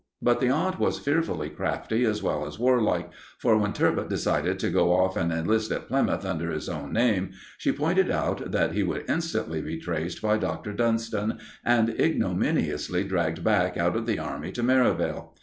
But the aunt was fearfully crafty as well as warlike, for when "Turbot" decided to go off and enlist at Plymouth under his own name, she pointed out that he would instantly be traced by Dr. Dunston, and ignominiously dragged back out of the Army to Merivale.